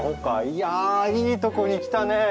いやいいとこに来たねえ。